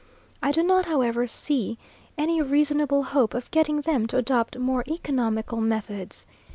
I do not, however, see any reasonable hope of getting them to adopt more economical methods.